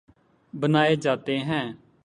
بنائے جاتے ہیں